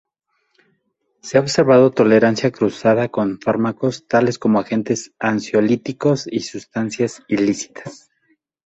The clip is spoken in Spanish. Se ha observado tolerancia cruzada con fármacos tales como agentes ansiolíticos y sustancias ilícitas.